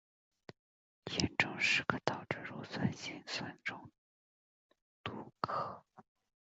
严重时可导致乳酸性酸中毒和。